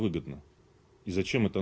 bagaimana ini beruntung